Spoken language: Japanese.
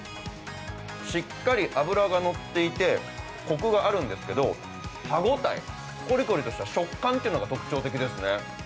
しっかり脂がのっていてコクがあるんですけど歯応え、こりこりとした食感というのが特徴的ですね。